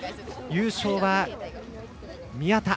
優勝は宮田。